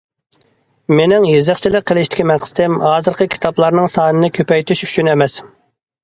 « مېنىڭ يېزىقچىلىق قىلىشتىكى مەقسىتىم ھازىرقى كىتابلارنىڭ سانىنى كۆپەيتىش ئۈچۈن ئەمەس».